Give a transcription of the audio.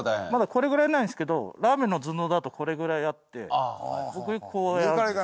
まだこれぐらいならいいんですけどラーメンの寸胴だとこれぐらいあってここにこうやって。